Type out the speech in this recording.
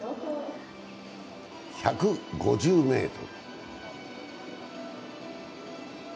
１５０ｍ。